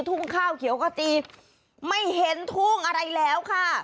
ข้าวเขียวก็ตีไม่เห็นทุ่งอะไรแล้วค่ะ